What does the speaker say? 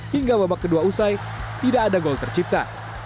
hingga babak kedua usai tidak ada gol tercipta